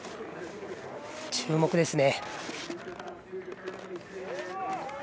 注目ですね。